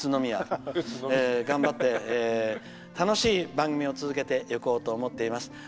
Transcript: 頑張って楽しい番組を続けていこうと思っています。